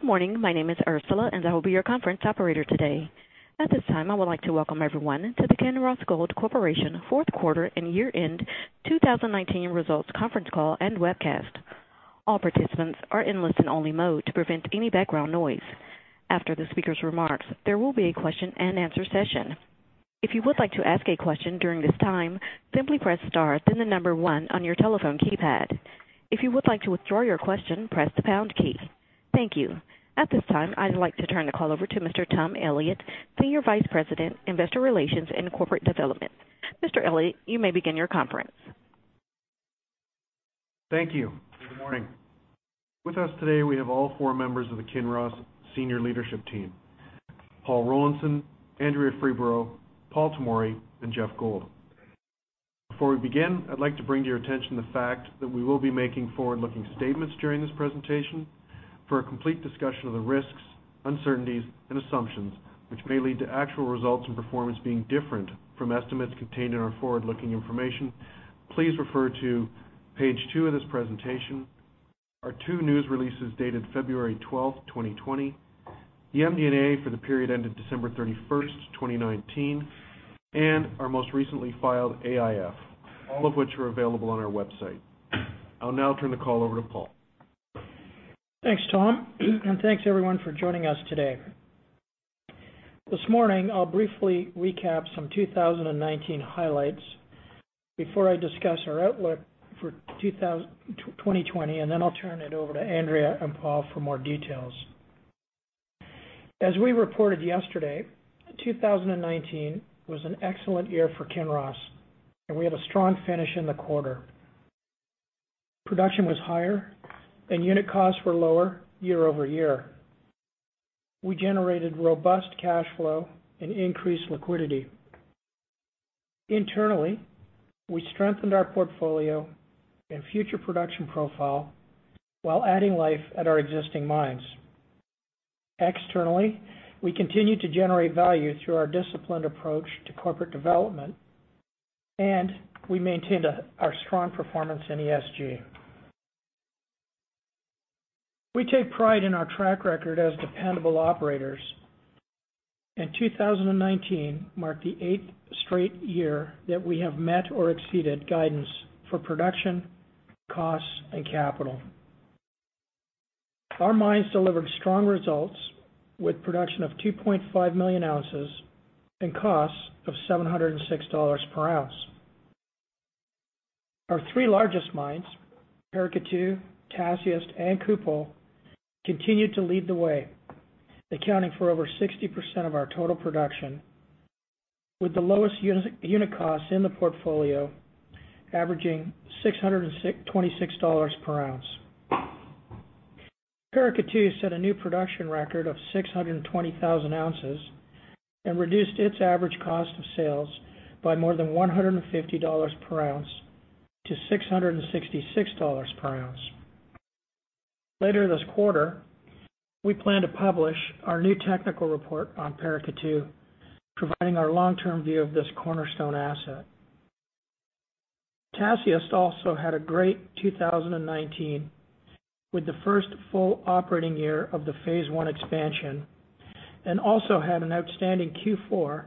Good morning. My name is Ursula, and I will be your conference operator today. At this time, I would like to welcome everyone to the Kinross Gold Corporation Q4 and Year-End 2019 Results Conference Call and Webcast. All participants are in listen-only mode to prevent any background noise. After the speaker's remarks, there will be a question-and-answer session. If you would like to ask a question during this time, simply press *1 on your telephone keypad. If you would like to withdraw your question, press the # key. Thank you. At this time, I'd like to turn the call over to Mr. Tom Elliott, Senior Vice President, Investor Relations and Corporate Development. Mr. Elliott, you may begin your conference. Thank you. Good morning. With us today, we have all four members of the Kinross senior leadership team, Paul Rollinson, Andrea Freeborough, Paul Tomory, and Geoff Gold. Before we begin, I'd like to bring to your attention the fact that we will be making forward-looking statements during this presentation. For a complete discussion of the risks, uncertainties, and assumptions which may lead to actual results and performance being different from estimates contained in our forward-looking information, please refer to page 2 of this presentation, our two news releases dated February 12, 2020, the MD&A for the period ending December 31st, 2019, and our most recently filed AIF, all of which are available on our website. I'll now turn the call over to Paul. Thanks, Tom, thanks, everyone, for joining us today. This morning, I'll briefly recap some 2019 highlights before I discuss our outlook for 2020, and then I'll turn it over to Andrea and Paul for more details. As we reported yesterday, 2019 was an excellent year for Kinross, and we had a strong finish in the quarter. Production was higher, and unit costs were lower year-over-year. We generated robust cash flow and increased liquidity. Internally, we strengthened our portfolio and future production profile while adding life at our existing mines. Externally, we continued to generate value through our disciplined approach to corporate development, and we maintained our strong performance in ESG. We take pride in our track record as dependable operators, and 2019 marked the eighth straight year that we have met or exceeded guidance for production, costs, and capital. Our mines delivered strong results with production of 2.5 Moz and costs of $706 per ounce. Our three largest mines, Paracatu, Tasiast, and Kupol, continued to lead the way, accounting for over 60% of our total production, with the lowest unit costs in the portfolio, averaging $626 per ounce. Paracatu set a new production record of 620 koz and reduced its average cost of sales by more than $150 per ounce to $666 per ounce. Later this quarter, we plan to publish our new technical report on Paracatu, providing our long-term view of this cornerstone asset. Tasiast also had a great 2019 with the first full operating year of the Phase 1 expansion, and also had an outstanding Q4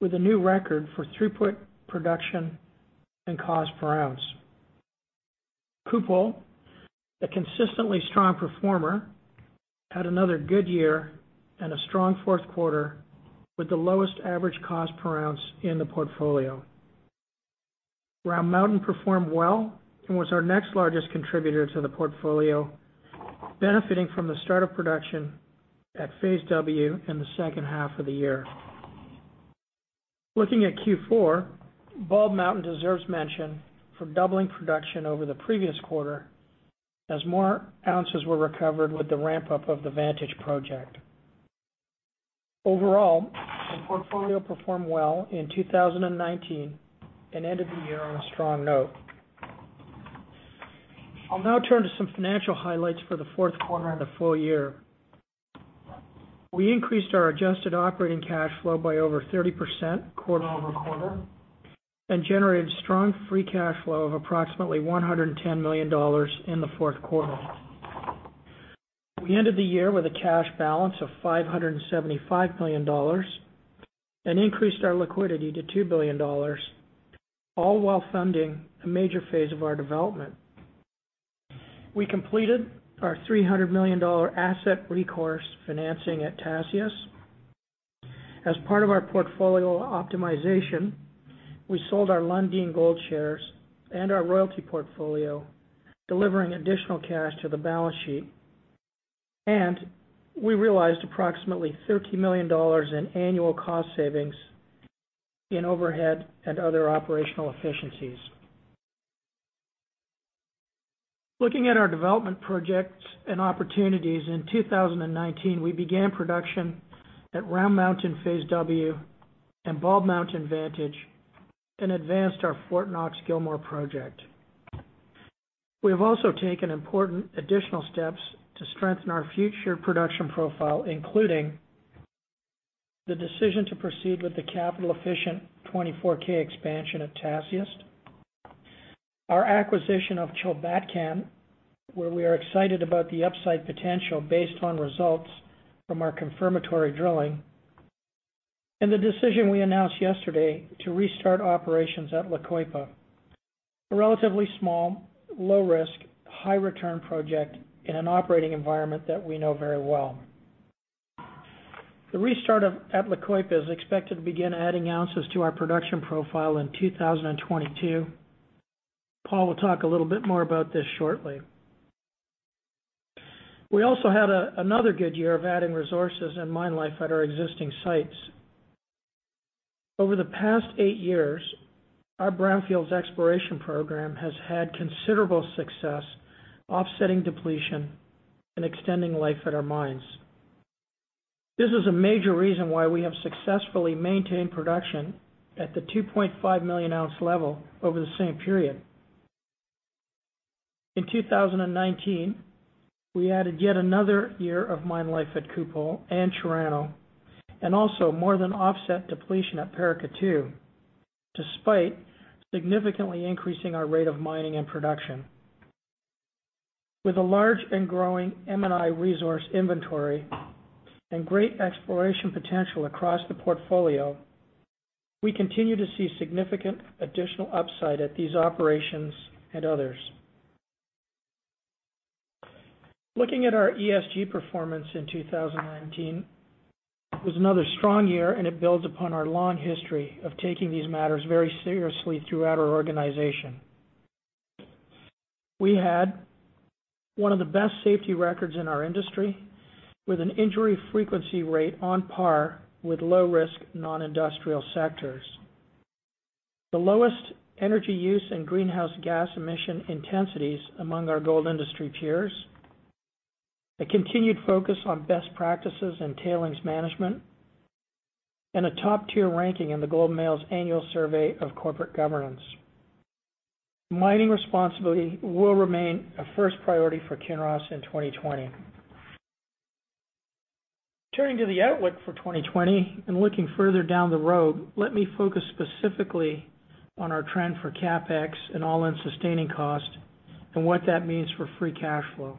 with a new record for throughput production and cost per ounce. Kupol, a consistently strong performer, had another good year and a strong Q4 with the lowest average cost per ounce in the portfolio. Round Mountain performed well and was our next largest contributor to the portfolio, benefiting from the start of production at Phase W in the second half of the year. Looking at Q4, Bald Mountain deserves mention for doubling production over the previous quarter as more ounces were recovered with the ramp-up of the Vantage project. Overall, the portfolio performed well in 2019 and ended the year on a strong note. I'll now turn to some financial highlights for the Q4 and the full year. We increased our adjusted operating cash flow by over 30% quarter-over-quarter and generated strong free cash flow of approximately $110 million in the Q4. We ended the year with a cash balance of $575 million and increased our liquidity to $2 billion, all while funding a major phase of our development. We completed our $300 million asset recourse financing at Tasiast. As part of our portfolio optimization, we sold our Lundin Gold shares and our royalty portfolio, delivering additional cash to the balance sheet, and we realized approximately $30 million in annual cost savings in overhead and other operational efficiencies. Looking at our development projects and opportunities, in 2019, we began production at Round Mountain Phase W and Bald Mountain Vantage and advanced our Fort Knox Gilmore project. We have also taken important additional steps to strengthen our future production profile, including the decision to proceed with the capital-efficient 24k expansion at Tasiast. Our acquisition of Chulbatkan, where we are excited about the upside potential based on results from our confirmatory drilling, and the decision we announced yesterday to restart operations at La Coipa, a relatively small, low risk, high return project in an operating environment that we know very well. The restart at La Coipa is expected to begin adding ounces to our production profile in 2022. Paul will talk a little bit more about this shortly. We also had another good year of adding resources and mine life at our existing sites. Over the past eight years, our brownfields exploration program has had considerable success offsetting depletion and extending life at our mines. This is a major reason why we have successfully maintained production at the 2.5 Moz level over the same period. In 2019, we added yet another year of mine life at Kupol and Chirano, and also more than offset depletion at Paracatu, despite significantly increasing our rate of mining and production. With a large and growing M&I resource inventory and great exploration potential across the portfolio, we continue to see significant additional upside at these operations and others. Looking at our ESG performance in 2019, it was another strong year, and it builds upon our long history of taking these matters very seriously throughout our organization. We had one of the best safety records in our industry, with an injury frequency rate on par with low risk, non-industrial sectors, the lowest energy use and greenhouse gas emission intensities among our gold industry peers, a continued focus on best practices and tailings management, and a top tier ranking in The Globe and Mail's annual survey of corporate governance. Mining responsibility will remain a first priority for Kinross in 2020. Turning to the outlook for 2020 and looking further down the road, let me focus specifically on our trend for CapEx and all-in sustaining cost and what that means for free cash flow.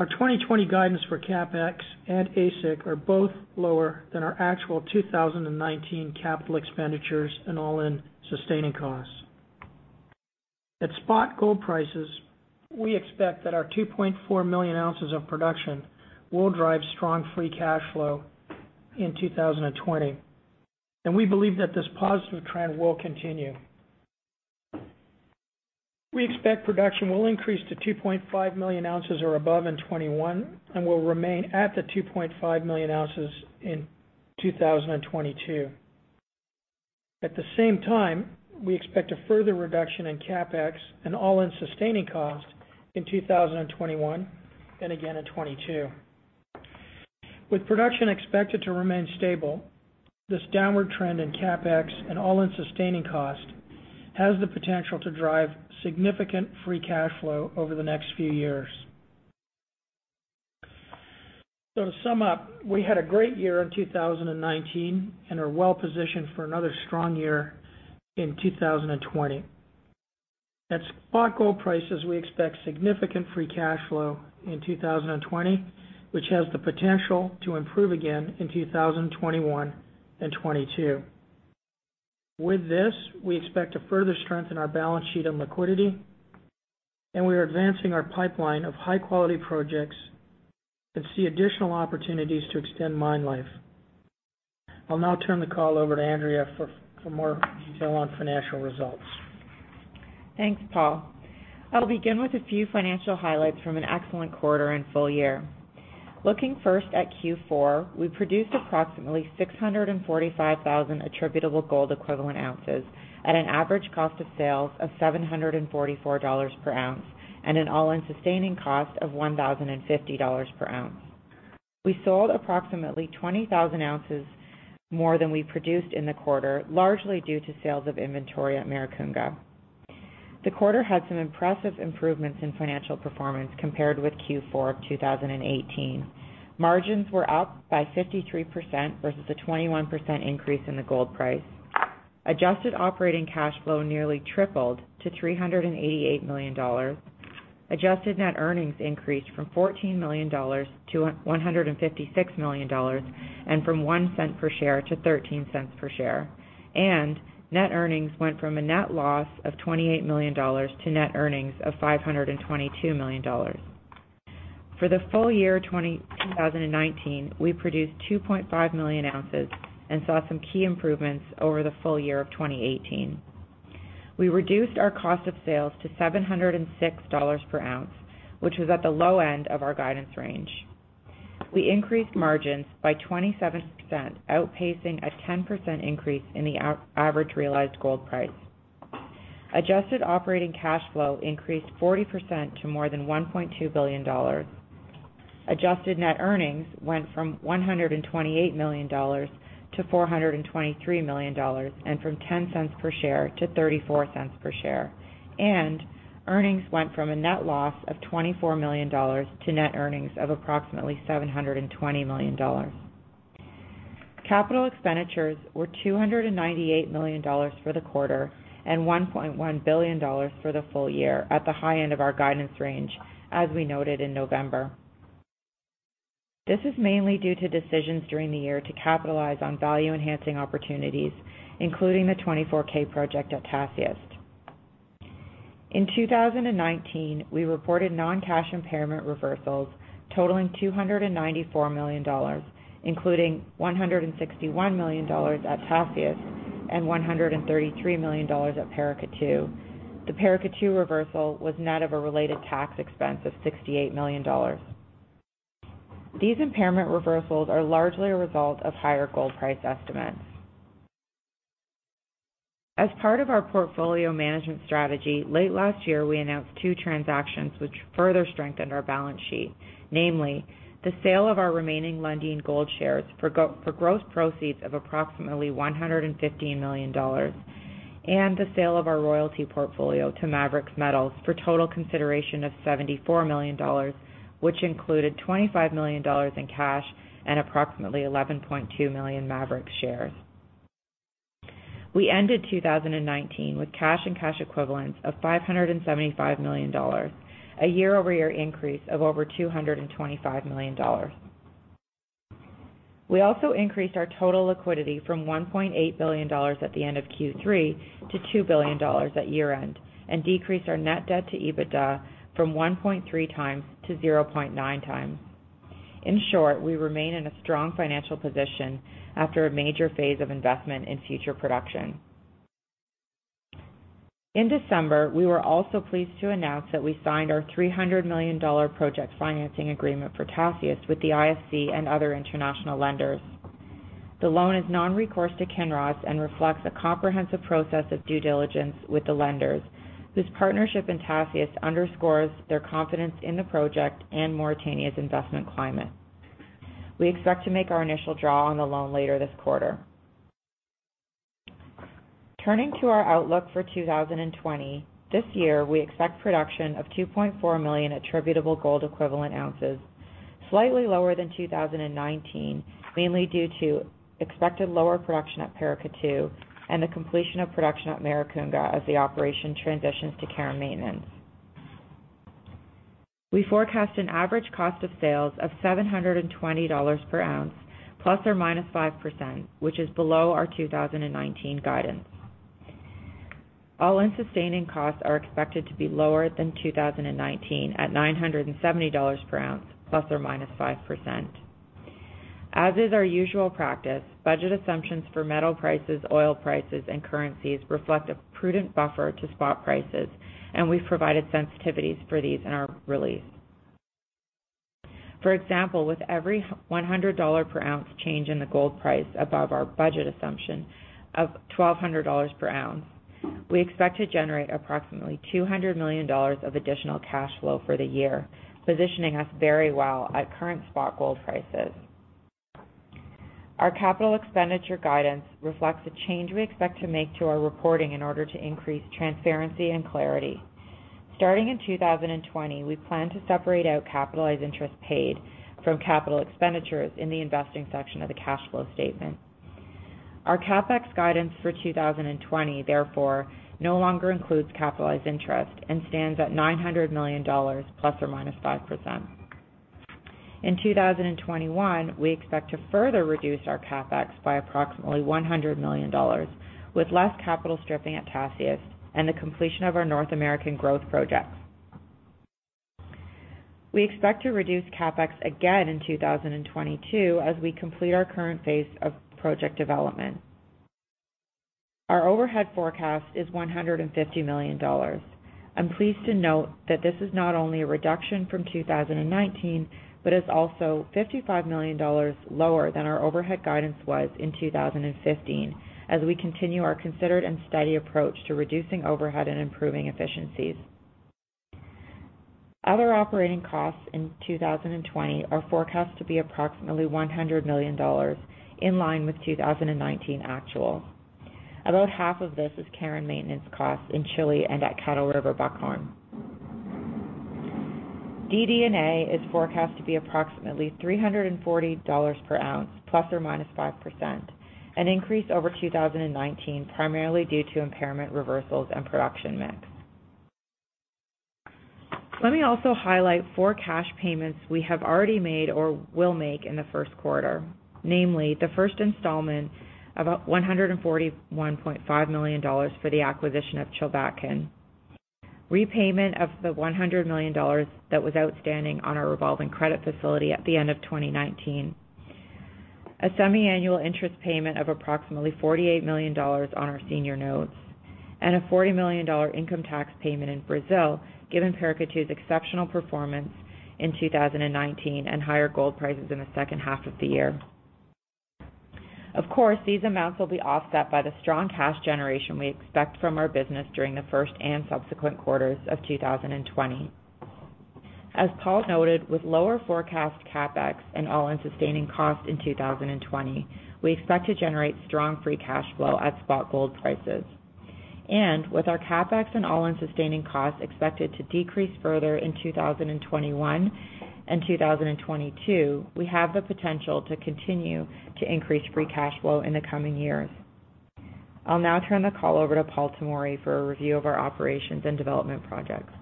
Our 2020 guidance for CapEx and AISC are both lower than our actual 2019 capital expenditures and all-in sustaining costs. At spot gold prices, we expect that our 2.4 Moz of production will drive strong free cash flow in 2020, and we believe that this positive trend will continue. We expect production will increase to 2.5 Moz or above in 2021 and will remain at the 2.5 Moz in 2022. At the same time, we expect a further reduction in CapEx and all-in sustaining cost in 2021 and again in 2022. With production expected to remain stable, this downward trend in CapEx and all-in sustaining cost has the potential to drive significant free cash flow over the next few years. To sum up, we had a great year in 2019 and are well positioned for another strong year in 2020. At spot gold prices, we expect significant free cash flow in 2020, which has the potential to improve again in 2021 and 2022. With this, we expect to further strengthen our balance sheet and liquidity, and we are advancing our pipeline of high quality projects and see additional opportunities to extend mine life. I'll now turn the call over to Andrea for more detail on financial results. Thanks, Paul. I'll begin with a few financial highlights from an excellent quarter and full year. Looking first at Q4, we produced approximately 645 koz attributable gold equivalent at an average cost of sales of $744 per ounce and an all-in sustaining cost of $1,050 per ounce. We sold approximately 20 koz more than we produced in the quarter, largely due to sales of inventory at Maricunga. The quarter had some impressive improvements in financial performance compared with Q4 of 2018. Margins were up by 53% versus a 21% increase in the gold price. Adjusted operating cash flow nearly tripled to $388 million. Adjusted net earnings increased from $14 million to $156 million and from $0.01 per share to $0.13 per share. Net earnings went from a net loss of $28 million to net earnings of $522 million. For the full year 2019, we produced 2.5 Moz and saw some key improvements over the full year of 2018. We reduced our cost of sales to $706 per ounce, which was at the low end of our guidance range. We increased margins by 27%, outpacing a 10% increase in the average realized gold price. Adjusted operating cash flow increased 40% to more than $1.2 billion. Adjusted net earnings went from $128 million to $423 million, and from $0.10 per share to $0.34 per share. Earnings went from a net loss of $24 million to net earnings of approximately $720 million. Capital expenditures were $298 million for the quarter and $1.1 billion for the full year at the high end of our guidance range, as we noted in November. This is mainly due to decisions during the year to capitalize on value-enhancing opportunities, including the 24k project at Tasiast. In 2019, we reported non-cash impairment reversals totaling $294 million, including $161 million at Tasiast and $133 million at Paracatu. The Paracatu reversal was net of a related tax expense of $68 million. These impairment reversals are largely a result of higher gold price estimates. As part of our portfolio management strategy, late last year, we announced two transactions which further strengthened our balance sheet, namely the sale of our remaining Lundin Gold shares for gross proceeds of approximately $115 million, and the sale of our royalty portfolio to Maverix Metals for total consideration of $74 million, which included $25 million in cash and approximately 11.2 million Maverix shares. We ended 2019 with cash and cash equivalents of $575 million, a year-over-year increase of over $225 million. We also increased our total liquidity from $1.8 billion at the end of Q3 to $2 billion at year-end, and decreased our net debt to EBITDA from 1.3x to 0.9x. In short, we remain in a strong financial position after a major phase of investment in future production. In December, we were also pleased to announce that we signed our $300 million project financing agreement for Tasiast with the IFC and other international lenders. The loan is non-recourse to Kinross and reflects a comprehensive process of due diligence with the lenders. This partnership in Tasiast underscores their confidence in the project and Mauritania's investment climate. We expect to make our initial draw on the loan later this quarter. Turning to our outlook for 2020. This year, we expect production of 2.4 million attributable gold equivalent ounces, slightly lower than 2019, mainly due to expected lower production at Paracatu and the completion of production at Maricunga as the operation transitions to care and maintenance. We forecast an average cost of sales of $720 per ounce, ±5%, which is below our 2019 guidance. All-in sustaining costs are expected to be lower than 2019 at $970 per ounce, ±5%. As is our usual practice, budget assumptions for metal prices, oil prices, and currencies reflect a prudent buffer to spot prices, and we've provided sensitivities for these in our release. For example, with every $100 per ounce change in the gold price above our budget assumption of $1,200 per ounce, we expect to generate approximately $200 million of additional cash flow for the year, positioning us very well at current spot gold prices. Our capital expenditure guidance reflects a change we expect to make to our reporting in order to increase transparency and clarity. Starting in 2020, we plan to separate out capitalized interest paid from capital expenditures in the investing section of the cash flow statement. Our CapEx guidance for 2020, therefore, no longer includes capitalized interest and stands at $900 million ±5%. In 2021, we expect to further reduce our CapEx by approximately $100 million with less capital stripping at Tasiast and the completion of our North American growth projects. We expect to reduce CapEx again in 2022 as we complete our current phase of project development. Our overhead forecast is $150 million. I'm pleased to note that this is not only a reduction from 2019, but is also $55 million lower than our overhead guidance was in 2015, as we continue our considered and steady approach to reducing overhead and improving efficiencies. Other operating costs in 2020 are forecast to be approximately $100 million, in line with 2019 actual. About half of this is care and maintenance costs in Chile and at Kettle River, Buckhorn. DD&A is forecast to be approximately $340 per ounce, ±5%, an increase over 2019 primarily due to impairment reversals and production mix. Let me also highlight four cash payments we have already made or will make in the Q1, namely the first installment of a $141.5 million for the acquisition of Chulbatkan, repayment of the $100 million that was outstanding on our revolving credit facility at the end of 2019, a semi-annual interest payment of approximately $48 million on our senior notes, and a $40 million income tax payment in Brazil, given Paracatu's exceptional performance in 2019 and higher gold prices in the second half of the year. Of course, these amounts will be offset by the strong cash generation we expect from our business during the first and subsequent quarters of 2020. As Paul noted, with lower forecast CapEx and all-in sustaining cost in 2020, we expect to generate strong free cash flow at spot gold prices. With our CapEx and all-in sustaining costs expected to decrease further in 2021 and 2022, we have the potential to continue to increase free cash flow in the coming years. I'll now turn the call over to Paul Tomory for a review of our operations and development projects.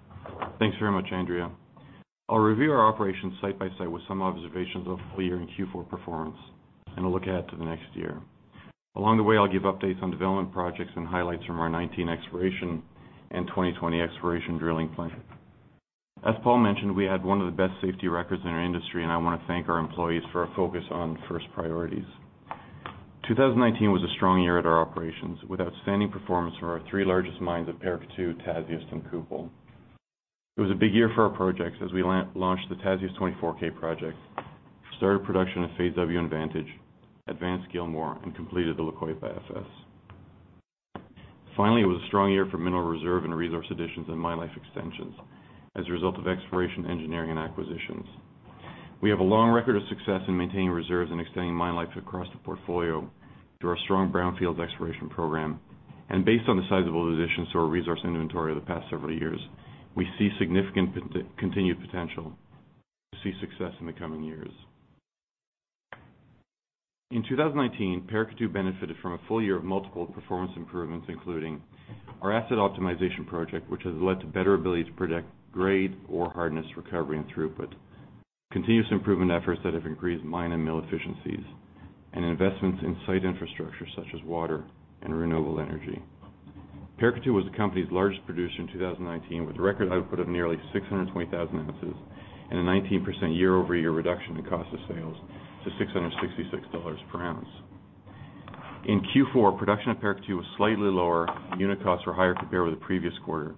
Thanks very much, Andrea. I'll review our operations site by site with some observations of full year and Q4 performance, and a look ahead to the next year. Along the way, I'll give updates on development projects and highlights from our 2019 exploration and 2020 exploration drilling plan. As Paul mentioned, we had one of the best safety records in our industry, and I want to thank our employees for a focus on first priorities. 2019 was a strong year at our operations with outstanding performance from our three largest mines at Paracatu, Tasiast, and Kupol. It was a big year for our projects as we launched the Tasiast 24k project, started production at Phase W in Vantage, advanced Gilmore, and completed the Lobo-Marte FS. Finally, it was a strong year for mineral reserve and resource additions and mine life extensions as a result of exploration, engineering, and acquisitions. We have a long record of success in maintaining reserves and extending mine lives across the portfolio through our strong brownfield exploration program. Based on the sizable additions to our resource inventory over the past several years, we see significant continued potential to see success in the coming years. In 2019, Paracatu benefited from a full year of multiple performance improvements, including our asset optimization project, which has led to better ability to predict grade, ore hardness, recovery, and throughput, continuous improvement efforts that have increased mine and mill efficiencies, and investments in site infrastructure such as water and renewable energy. Paracatu was the company's largest producer in 2019, with record output of nearly 620 koz and a 19% year-over-year reduction in cost of sales to $666 per ounce. In Q4, production at Paracatu was slightly lower and unit costs were higher compared with the previous quarter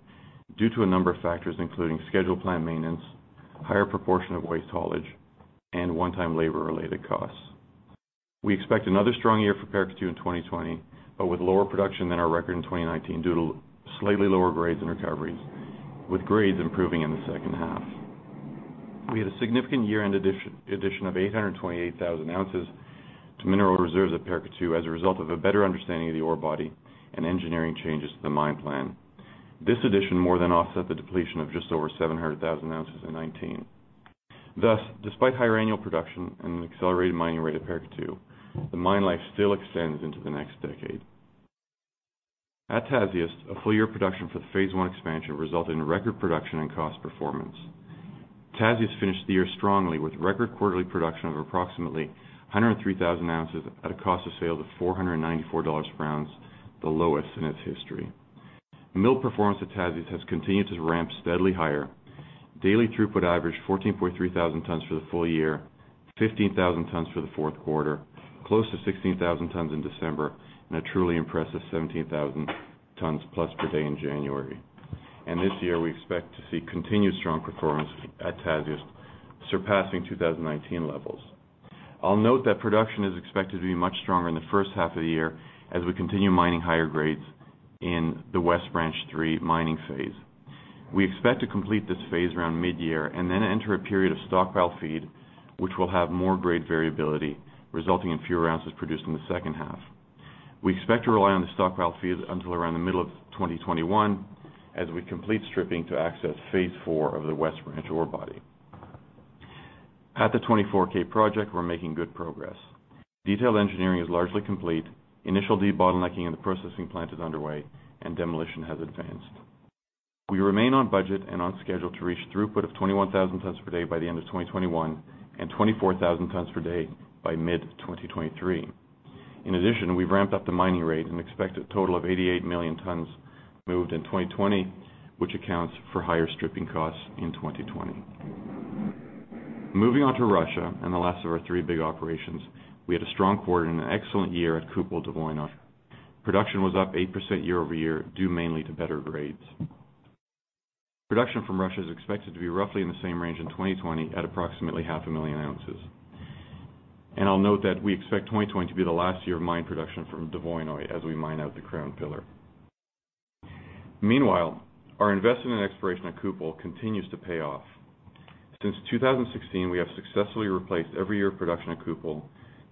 due to a number of factors, including scheduled plant maintenance, higher proportion of waste haulage, and one-time labor-related costs. We expect another strong year for Paracatu in 2020, but with lower production than our record in 2019 due to slightly lower grades and recoveries, with grades improving in the second half. We had a significant year-end addition of 828 koz to mineral reserves at Paracatu as a result of a better understanding of the ore body and engineering changes to the mine plan. This addition more than offset the depletion of just over 700 koz in 2019. Thus, despite higher annual production and an accelerated mining rate at Paracatu, the mine life still extends into the next decade. At Tasiast, a full year of production for the Phase 1 expansion resulted in record production and cost performance. Tasiast finished the year strongly with record quarterly production of approximately 103 koz at a cost of sale of $494 per ounce, the lowest in its history. Mill performance at Tasiast has continued to ramp steadily higher. Daily throughput averaged 14.3 kt for the full year, 15 kt for the Q4, close to 16 kt in December, and a truly impressive 17+ ktpd in January. This year, we expect to see continued strong performance at Tasiast, surpassing 2019 levels. I'll note that production is expected to be much stronger in the first half of the year as we continue mining higher grades in the West Branch Three mining phase. We expect to complete this phase around mid-year and then enter a period of stockpile feed, which will have more grade variability, resulting in fewer ounces produced in the second half. We expect to rely on the stockpile feed until around the middle of 2021 as we complete stripping to access Phase 4 of the West Branch ore body. At the 24k project, we're making good progress. Detailed engineering is largely complete, initial debottlenecking in the processing plant is underway, and demolition has advanced. We remain on budget and on schedule to reach throughput of 21 ktpd by the end of 2021 and 24 ktpd by mid-2023. In addition, we've ramped up the mining rate and expect a total of 88 Mt moved in 2020, which accounts for higher stripping costs in 2020. Moving on to Russia and the last of our three big operations, we had a strong quarter and an excellent year at Kupol Dvoinoye. Production was up 8% year-over-year, due mainly to better grades. Production from Russia is expected to be roughly in the same range in 2020 at approximately 0.5 Moz. I'll note that we expect 2020 to be the last year of mine production from Dvoinoye as we mine out the crown pillar. Meanwhile, our investment and exploration at Kupol continues to pay off. Since 2016, we have successfully replaced every year of production at Kupol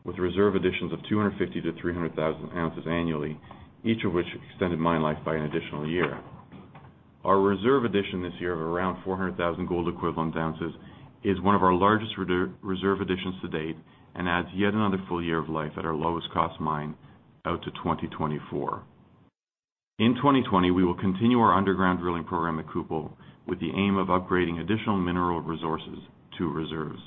with reserve additions of 250 koz-300 koz annually, each of which extended mine life by an additional year. Our reserve addition this year of around 400 koz gold equivalent is one of our largest reserve additions to date and adds yet another full year of life at our lowest cost mine out to 2024. In 2020, we will continue our underground drilling program at Kupol with the aim of upgrading additional mineral resources to reserves.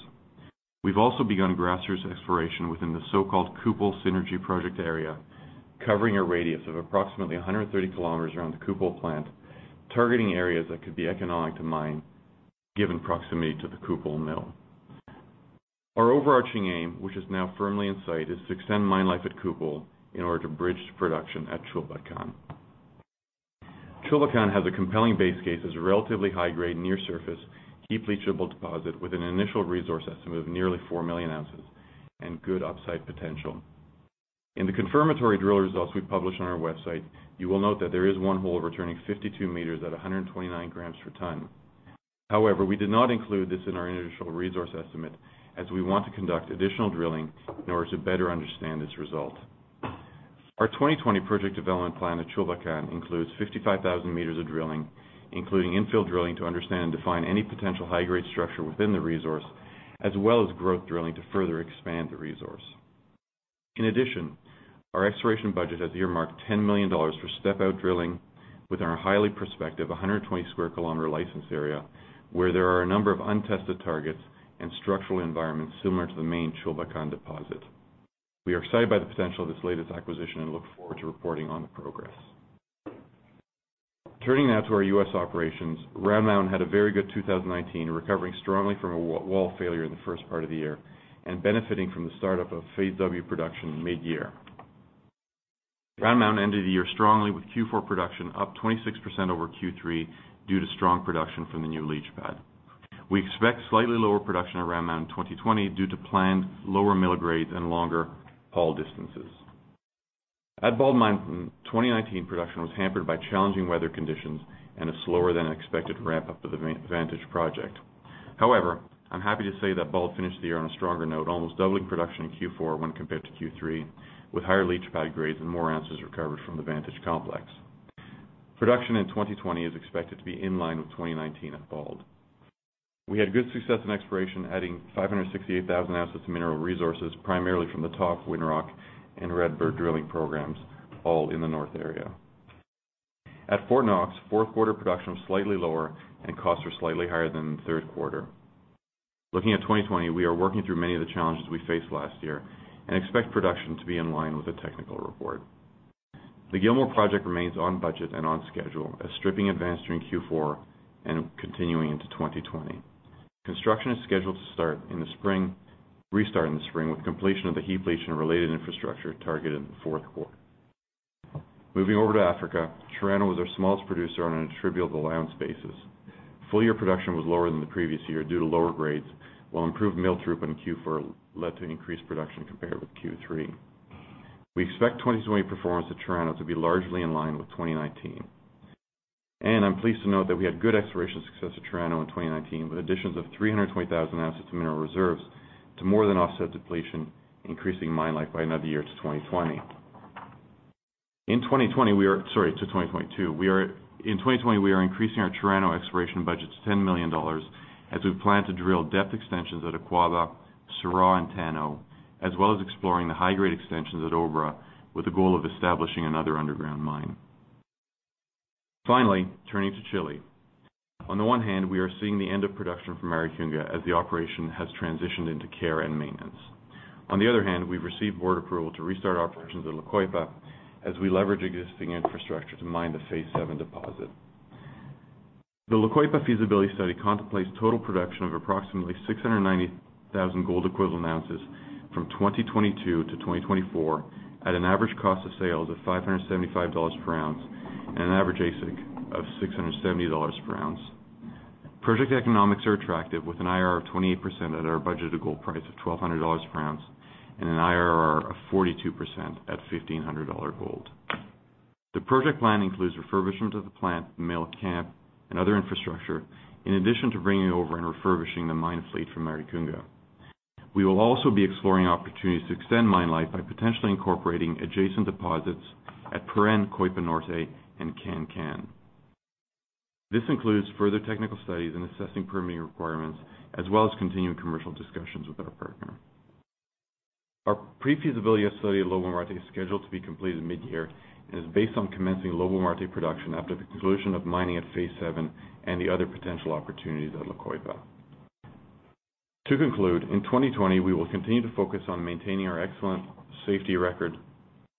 We've also begun grassroots exploration within the so-called Kupol Synergy Project area, covering a radius of approximately 130 km around the Kupol plant, targeting areas that could be economic to mine given proximity to the Kupol mill. Our overarching aim, which is now firmly in sight, is to extend mine life at Kupol in order to bridge production at Chulbatkan. Chulbatkan has a compelling base case as a relatively high-grade, near surface, heap leachable deposit with an initial resource estimate of nearly 4 Moz and good upside potential. In the confirmatory drill results we published on our website, you will note that there is one hole returning 52 m at 129 g/t Au. We did not include this in our initial resource estimate as we want to conduct additional drilling in order to better understand this result. Our 2020 project development plan at Chulbatkan includes 55,000 m of drilling, including infill drilling to understand and define any potential high-grade structure within the resource, as well as growth drilling to further expand the resource. Our exploration budget has earmarked $10 million for step-out drilling within our highly prospective 120 sq km license area, where there are a number of untested targets and structural environments similar to the main Chulbatkan deposit. We are excited by the potential of this latest acquisition and look forward to reporting on the progress. Turning now to our U.S. operations, Round Mountain had a very good 2019, recovering strongly from a wall failure in the first part of the year and benefiting from the startup of Phase W production midyear. Round Mountain ended the year strongly with Q4 production up 26% over Q3 due to strong production from the new leach pad. We expect slightly lower production at Round Mountain in 2020 due to planned lower mill grades and longer haul distances. At Bald Mountain, 2019 production was hampered by challenging weather conditions and a slower-than-expected ramp-up of the Vantage Project. However, I'm happy to say that Bald finished the year on a stronger note, almost doubling production in Q4 when compared to Q3, with higher leach pad grades and more ounces recovered from the Vantage Complex. Production in 2020 is expected to be in line with 2019 at Bald Mountain. We had good success in exploration, adding 568 koz of mineral resources, primarily from the Top-Winrock and Red Bird drilling programs, all in the north area. At Fort Knox, Q4 production was slightly lower, and costs were slightly higher than the Q3. Looking at 2020, we are working through many of the challenges we faced last year and expect production to be in line with the technical report. The Gilmore Project remains on budget and on schedule as stripping advanced during Q4 and continuing into 2020. Construction is scheduled to restart in the spring, with completion of the heap leach and related infrastructure targeted in the Q4. Moving over to Africa, Chirano was our smallest producer on an attributable ounce basis. Full-year production was lower than the previous year due to lower grades, while improved mill throughput in Q4 led to increased production compared with Q3. We expect 2020 performance at Chirano to be largely in line with 2019. I'm pleased to note that we had good exploration success at Chirano in 2019, with additions of 320,000 ounces of mineral reserves to more than offset depletion, increasing mine life by another year to 2022. In 2020, we are increasing our Chirano exploration budget to $10 million as we plan to drill depth extensions at Akwaaba, Suraw, and Tano, as well as exploring the high-grade extensions at Obra with the goal of establishing another underground mine. Finally, turning to Chile. On the one hand, we are seeing the end of production from Maricunga as the operation has transitioned into care and maintenance. On the other hand, we've received board approval to restart operations at La Coipa as we leverage existing infrastructure to mine the Phase 7 deposit. The La Coipa feasibility study contemplates total production of approximately 690 koz Au eq. from 2022 to 2024 at an average cost of sales of $575 per ounce and an average AISC of $670 per ounce. Project economics are attractive, with an IRR of 28% at our budgeted gold price of $1,200 per ounce and an IRR of 42% at $1,500 gold. The project plan includes refurbishment of the plant, mill camp, and other infrastructure, in addition to bringing over and refurbishing the mine fleet from Maricunga. We will also be exploring opportunities to extend mine life by potentially incorporating adjacent deposits at Purén, Coipa Norte, and Can Can. This includes further technical studies and assessing permitting requirements, as well as continuing commercial discussions with our partner. Our pre-feasibility study at Lobo Marte is scheduled to be completed mid-year and is based on commencing Lobo Marte production after the conclusion of mining at Phase 7 and the other potential opportunities at La Coipa. To conclude, in 2020, we will continue to focus on maintaining our excellent safety record,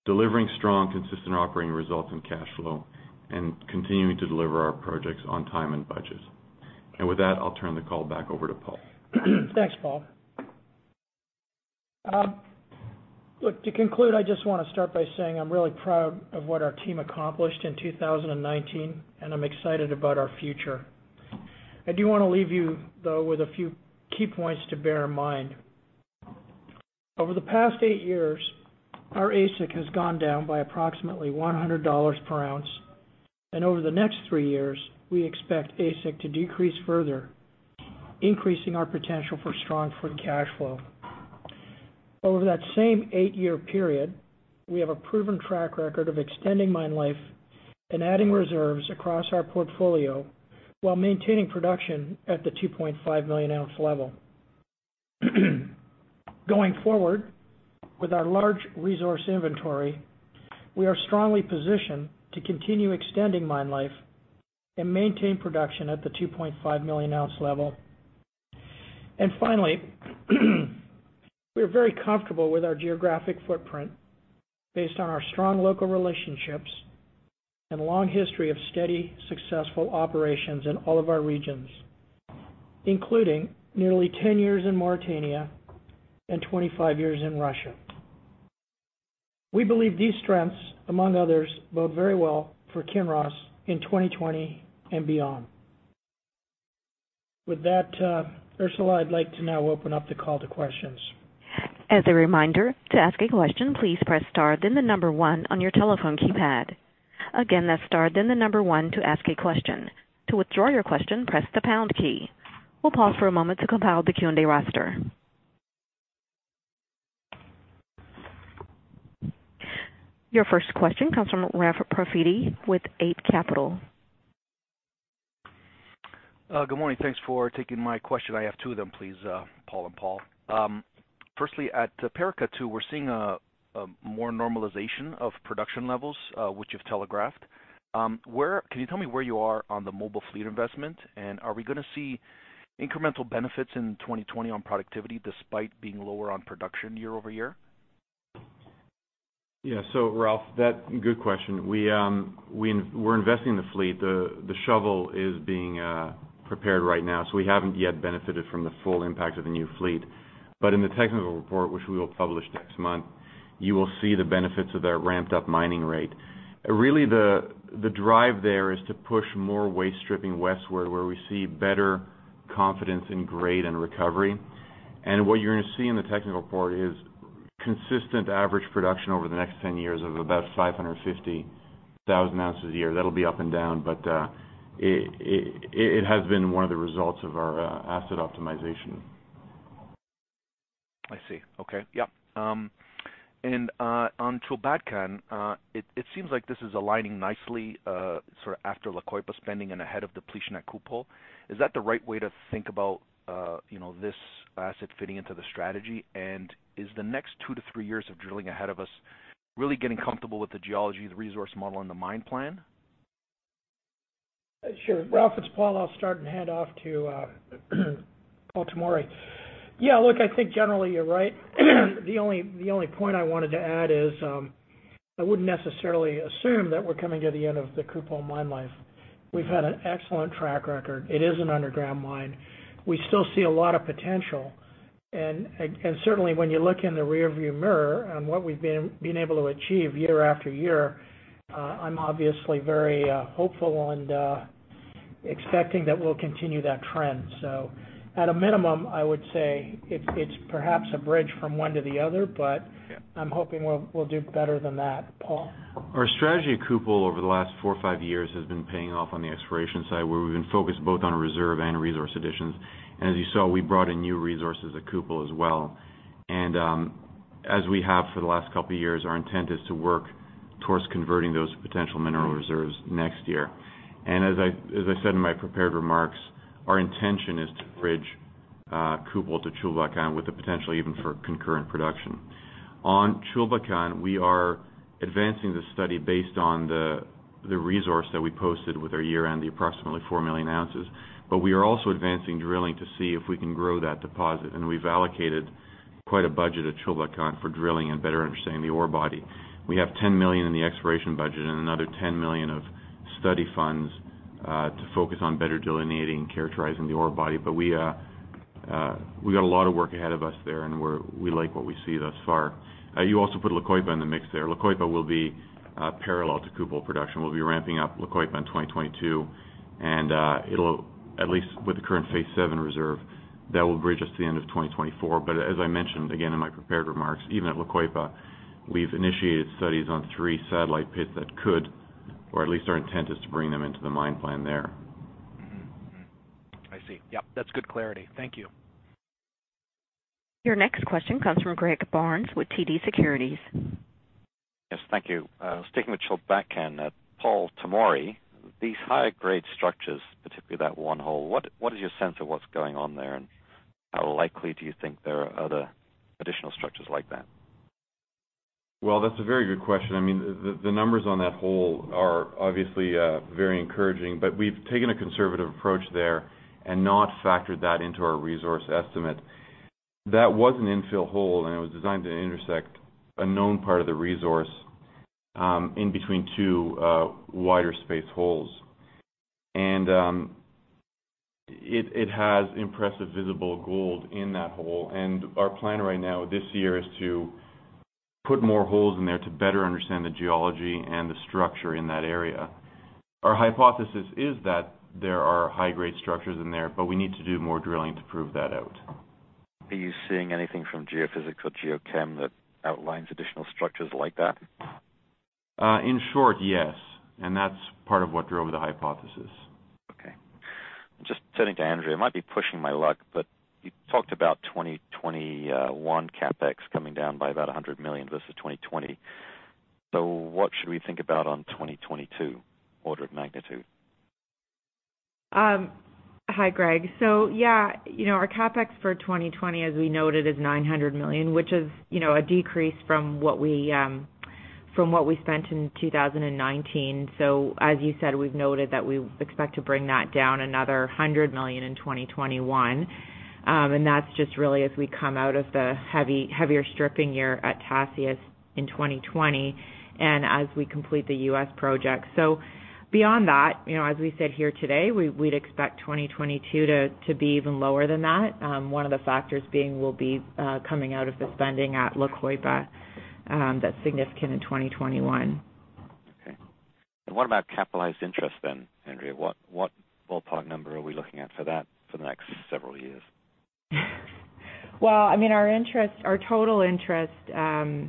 delivering strong, consistent operating results and cash flow, and continuing to deliver our projects on time and budget. With that, I'll turn the call back over to Paul. Thanks, Paul. Look, to conclude, I just want to start by saying I'm really proud of what our team accomplished in 2019, and I'm excited about our future. I do want to leave you, though, with a few key points to bear in mind. Over the past eight years, our AISC has gone down by approximately $100 per ounce, and over the next three years, we expect AISC to decrease further, increasing our potential for strong free cash flow. Over that same eight-year period, we have a proven track record of extending mine life and adding reserves across our portfolio while maintaining production at the 2.5 Moz level. Going forward, with our large resource inventory, we are strongly positioned to continue extending mine life and maintain production at the 2.5 Moz level. Finally, we are very comfortable with our geographic footprint based on our strong local relationships and long history of steady, successful operations in all of our regions, including nearly 10 years in Mauritania and 25 years in Russia. We believe these strengths, among others, bode very well for Kinross in 2020 and beyond. With that, Ursula, I'd like to now open up the call to questions. As a reminder, to ask a question, please press *1 on your telephone keypad. Again, that's *1 to ask a question. To withdraw your question, press the # key. We'll pause for a moment to compile the Q&A roster. Your first question comes from Ralph Profiti with Eight Capital. Good morning. Thanks for taking my question. I have two of them, please, Paul and Paul. Firstly, at Paracatu, we're seeing more normalization of production levels, which you've telegraphed. Can you tell me where you are on the mobile fleet investment, and are we going to see incremental benefits in 2020 on productivity despite being lower on production year-over-year? Yeah. Ralph, good question. We're investing in the fleet. The shovel is being prepared right now. We haven't yet benefited from the full impact of the new fleet. In the technical report, which we will publish next month, you will see the benefits of that ramped up mining rate. Really, the drive there is to push more waste stripping westward, where we see better confidence in grade and recovery. What you're going to see in the technical report is consistent average production over the next 10 years of about 550 koz a year. That'll be up and down, it has been one of the results of our asset optimization. I see. Okay. Yep. On Chulbatkan, it seems like this is aligning nicely, sort of after La Coipa spending and ahead of depletion at Kupol. Is that the right way to think about this asset fitting into the strategy, and is the next two to three years of drilling ahead of us really getting comfortable with the geology, the resource model, and the mine plan? Sure. Ralph, it's Paul. I'll start and hand off to Paul Tomory. Yeah, look, I think generally you're right. The only point I wanted to add is, I wouldn't necessarily assume that we're coming to the end of the Kupol mine life. We've had an excellent track record. It is an underground mine. We still see a lot of potential, and certainly when you look in the rear view mirror on what we've been able to achieve year after year, I'm obviously very hopeful and expecting that we'll continue that trend. At a minimum, I would say it's perhaps a bridge from one to the other, but I'm hoping we'll do better than that. Paul. Our strategy at Kupol over the last four or five years has been paying off on the exploration side, where we've been focused both on reserve and resource additions. As you saw, we brought in new resources at Kupol as well. As we have for the last couple of years, our intent is to work towards converting those potential mineral reserves next year. As I said in my prepared remarks, our intention is to bridge Kupol to Chulbatkan with the potential even for concurrent production. On Chulbatkan, we are advancing the study based on the resource that we posted with our year-end, the approximately 4 Moz. We are also advancing drilling to see if we can grow that deposit, and we've allocated quite a budget at Chulbatkan for drilling and better understanding the ore body. We have $10 million in the exploration budget and another $10 million of study funds, to focus on better delineating and characterizing the ore body. We got a lot of work ahead of us there, and we like what we see thus far. You also put La Coipa in the mix there. La Coipa will be parallel to Kupol production. We'll be ramping up La Coipa in 2022, and it'll, at least with the current Phase 7 reserve, that will bridge us to the end of 2024. As I mentioned again in my prepared remarks, even at La Coipa, we've initiated studies on three satellite pits that could, or at least our intent is to bring them into the mine plan there. I see. Yep, that's good clarity. Thank you. Your next question comes from Greg Barnes with TD Securities. Yes. Thank you. Sticking with Chulbatkan. Paul Tomory, these high-grade structures, particularly that one hole, what is your sense of what's going on there, and how likely do you think there are other additional structures like that? Well, that's a very good question. The numbers on that hole are obviously very encouraging. We've taken a conservative approach there and not factored that into our resource estimate. That was an infill hole. It was designed to intersect a known part of the resource, in between two wider space holes. It has impressive visible gold in that hole. Our plan right now this year is to put more holes in there to better understand the geology and the structure in that area. Our hypothesis is that there are high-grade structures in there. We need to do more drilling to prove that out. Are you seeing anything from geophysics or geochem that outlines additional structures like that? In short, yes. That's part of what drove the hypothesis. Okay. Just turning to Andrea, I might be pushing my luck, you talked about 2021 CapEx coming down by about $100 million versus 2020. What should we think about on 2022 order of magnitude? Hi, Greg. Yeah, our CapEx for 2020, as we noted, is $900 million, which is a decrease from what we spent in 2019. As you said, we've noted that we expect to bring that down another $100 million in 2021. That's just really as we come out of the heavier stripping year at Tasiast in 2020 and as we complete the U.S. project. Beyond that, as we said here today, we'd expect 2022 to be even lower than that. One of the factors being we'll be coming out of the spending at La Coipa, that's significant in 2021. What about capitalized interest then, Andrea? What ballpark number are we looking at for that for the next several years? Well,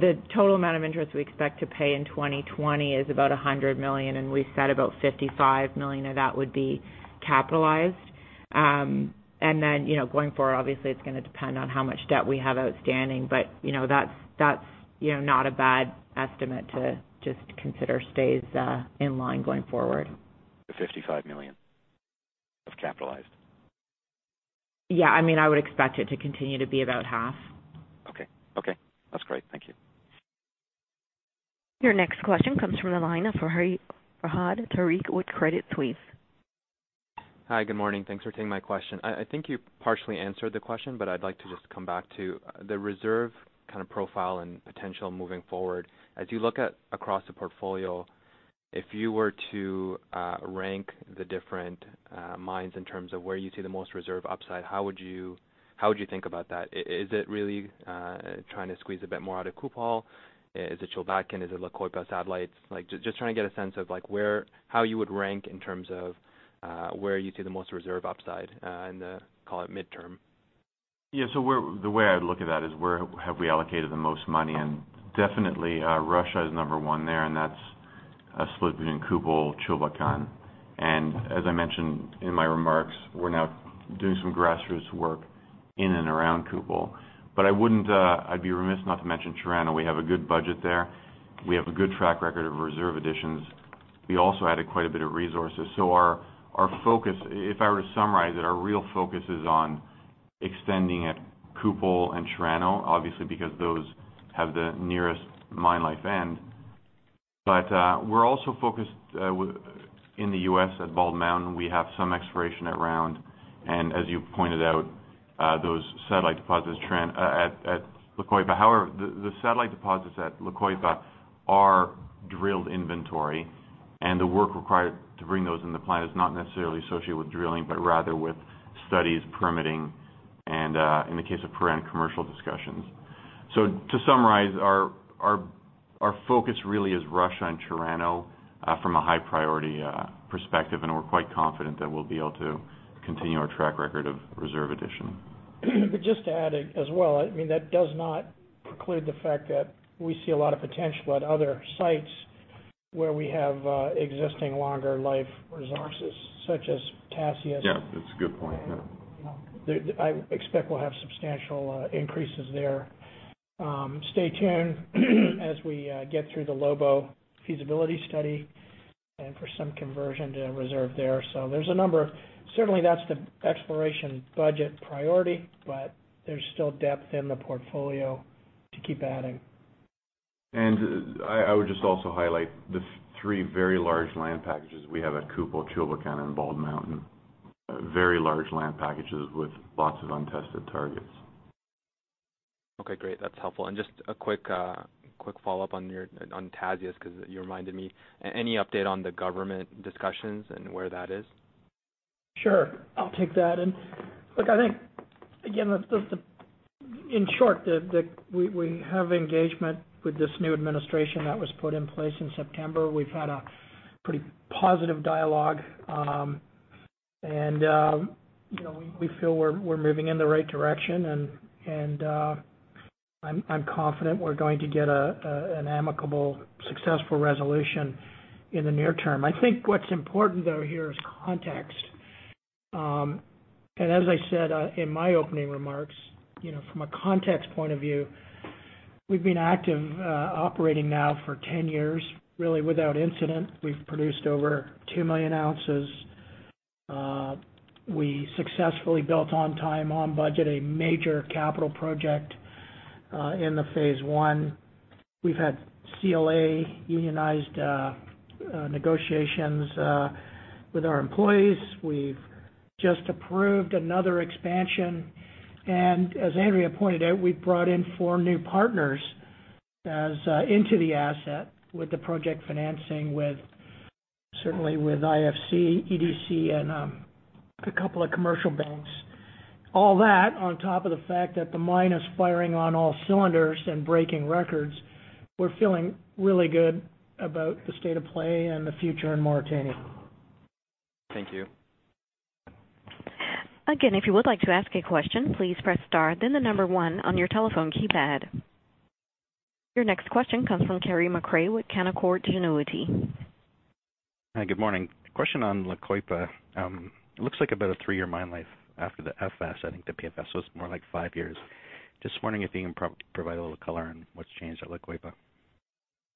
the total amount of interest we expect to pay in 2020 is about $100 million, and we said about $55 million of that would be capitalized. Going forward, obviously it's going to depend on how much debt we have outstanding. That's not a bad estimate to just consider stays in line going forward. The $55 million of capitalized? Yeah. I would expect it to continue to be about half. Okay. That's great. Thank you. Your next question comes from the line of Fahad Tariq with Credit Suisse. Hi. Good morning. Thanks for taking my question. I think you partially answered the question, but I'd like to just come back to the reserve kind of profile and potential moving forward. As you look at across the portfolio, if you were to rank the different mines in terms of where you see the most reserve upside, how would you think about that? Is it really trying to squeeze a bit more out of Kupol? Is it Chulbatkan? Is it La Coipa satellites? Just trying to get a sense of how you would rank in terms of where you see the most reserve upside in the, call it midterm. The way I'd look at that is where have we allocated the most money, and definitely Russia is number 1 there, and that's split between Kupol, Chulbatkan. As I mentioned in my remarks, we're now doing some grassroots work in and around Kupol. I'd be remiss not to mention Chirano. We have a good budget there. We have a good track record of reserve additions. We also added quite a bit of resources. If I were to summarize it, our real focus is on extending at Kupol and Chirano, obviously, because those have the nearest mine life end. We're also focused in the U.S. at Bald Mountain, we have some exploration at Round, and as you pointed out, those satellite deposits at La Coipa. The satellite deposits at La Coipa are drilled inventory, and the work required to bring those into play is not necessarily associated with drilling, but rather with studies permitting and, in the case of Purén, commercial discussions. To summarize, our focus really is Russia and Chirano, from a high priority perspective, and we're quite confident that we'll be able to continue our track record of reserve addition. Just to add as well, that does not preclude the fact that we see a lot of potential at other sites where we have existing longer life resources, such as Tasiast. Yeah, that's a good point. Yeah. I expect we'll have substantial increases there. Stay tuned as we get through the Lobo-Marte feasibility study and for some conversion to reserve there. There's a number. Certainly, that's the exploration budget priority, but there's still depth in the portfolio to keep adding. I would just also highlight the three very large land packages we have at Kupol, Chulbatkan, and Bald Mountain. Very large land packages with lots of untested targets. Okay, great. That's helpful. Just a quick follow-up on Tasiast, because you reminded me. Any update on the government discussions and where that is? Sure. I'll take that. Look, I think, again, in short, we have engagement with this new administration that was put in place in September. We've had a pretty positive dialogue. We feel we're moving in the right direction and I'm confident we're going to get an amicable, successful resolution in the near term. I think what's important, though, here is context. As I said in my opening remarks, from a context point of view, we've been active operating now for 10 years, really without incident. We've produced over 2 million ounces. We successfully built on time, on budget, a major capital project in the Phase 1. We've had CBA unionized negotiations with our employees. We've just approved another expansion. As Andrea pointed out, we've brought in four new partners into the asset with the project financing, certainly with IFC, EDC, and a couple of commercial banks. All that on top of the fact that the mine is firing on all cylinders and breaking records. We're feeling really good about the state of play and the future in Mauritania. Thank you. If you would like to ask a question, please press *1 on your telephone keypad. Your next question comes from Carey MacRury with Canaccord Genuity. Hi, good morning. Question on La Coipa. It looks like about a three-year mine life after the FS. I think the PFS was more like five years. Just wondering if you can provide a little color on what's changed at La Coipa.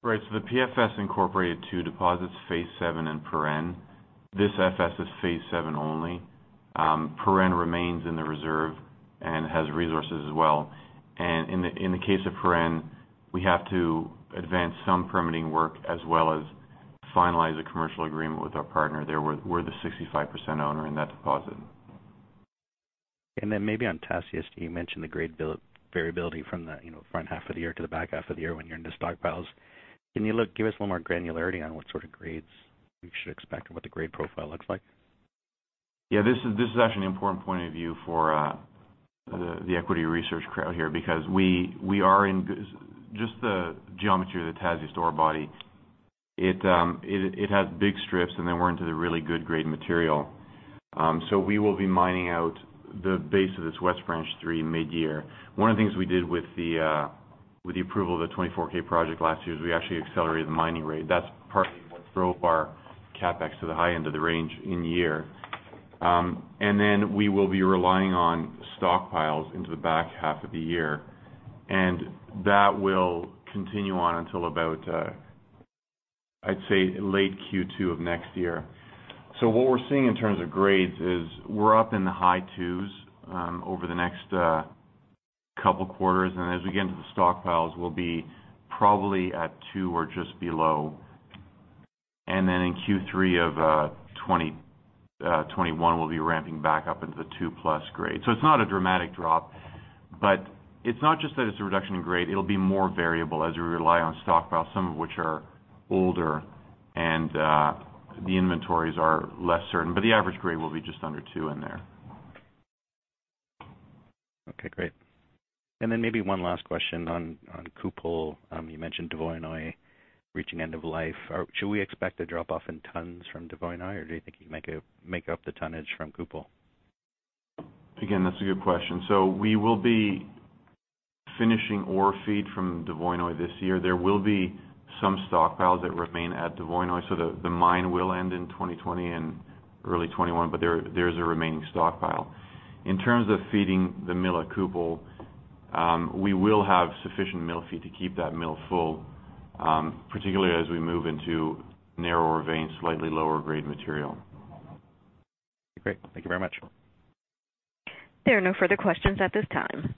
The PFS incorporated two deposits, Phase 7 and Purén. This FS is Phase 7 only. Purén remains in the reserve and has resources as well. In the case of Purén, we have to advance some permitting work as well as finalize a commercial agreement with our partner there. We're the 65% owner in that deposit. Maybe on Tasiast, you mentioned the grade variability from the front half of the year to the back half of the year when you're into stockpiles. Can you give us a little more granularity on what sort of grades we should expect and what the grade profile looks like? This is actually an important point of view for the equity research crowd here, because just the geometry of the Tasiast ore body, it has big strips and then we're into the really good grade material. We will be mining out the base of this West Branch Three mid-year. One of the things we did with the approval of the 24k project last year is we actually accelerated the mining rate. That's partly what drove our CapEx to the high end of the range in the year. We will be relying on stockpiles into the back half of the year, and that will continue on until about, I'd say, late Q2 of next year. What we're seeing in terms of grades is we're up in the high 2s over the next couple quarters, and as we get into the stockpiles, we'll be probably at 2 or just below. Then in Q3 of 2021, we'll be ramping back up into the 2+ grade. It's not a dramatic drop, but it's not just that it's a reduction in grade, it'll be more variable as we rely on stockpiles, some of which are older and the inventories are less certain. The average grade will be just under 2 in there. Okay, great. Maybe one last question on Kupol. You mentioned Dvoinoye reaching end of life. Should we expect a drop-off in tons from Dvoinoye, or do you think you can make up the tonnage from Kupol? Again, that's a good question. We will be finishing ore feed from Dvoinoye this year. There will be some stockpiles that remain at Dvoinoye, so the mine will end in 2020 and early 2021, but there's a remaining stockpile. In terms of feeding the mill at Kupol, we will have sufficient mill feed to keep that mill full, particularly as we move into narrower veins, slightly lower grade material. Great. Thank you very much. There are no further questions at this time.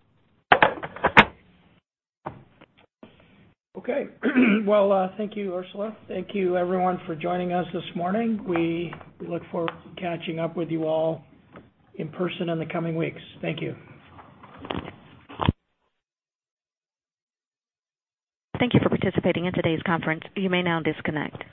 Okay. Well, thank you, Ursula. Thank you everyone for joining us this morning. We look forward to catching up with you all in person in the coming weeks. Thank you. Thank you for participating in today's conference. You may now disconnect.